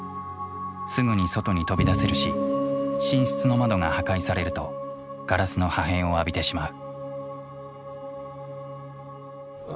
すぐに外に飛び出せるし寝室の窓が破壊されるとガラスの破片を浴びてしまう。